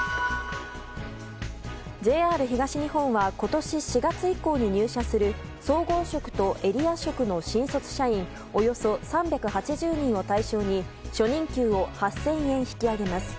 ＪＲ東日本は今年４月以降に入社する総合職とエリア職の新卒社員およそ３８０人を対象に初任給を８０００円引き上げます。